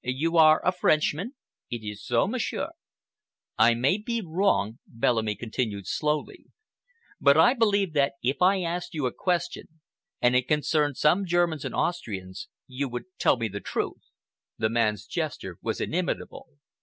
"You are a Frenchman?" "It is so, Monsieur!" "I may be wrong," Bellamy continued slowly, "but I believe that if I asked you a question and it concerned some Germans and Austrians you would tell me the truth." The man's gesture was inimitable.